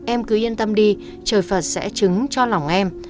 em cứ yên tâm đi trời phật sẽ trứng cho lòng em